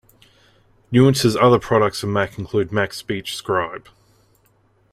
Nuance's other products for Mac include MacSpeech Scribe.